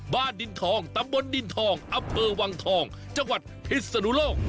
บ้านดินทองตำบลดินทองอำเภอวังทองจังหวัดพิษนุโลก